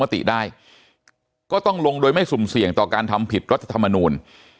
ได้ก็ต้องลงโดยไม่สุ่มเสี่ยงต่อการทำผิดรัฐธรรมนูล